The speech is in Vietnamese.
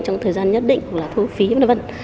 trong thời gian nhất định thu phí v v